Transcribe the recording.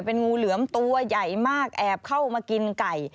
เป็นงูเหลือมตัวใหญ่มากแอบเข้ามากินไก่